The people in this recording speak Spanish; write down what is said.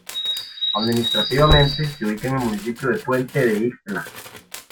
Administrativamente, se ubica en el municipio de Puente de Ixtla.